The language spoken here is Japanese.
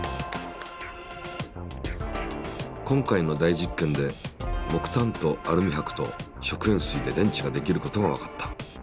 今回の大実験で木炭とアルミはくと食塩水で電池が出来ることがわかった。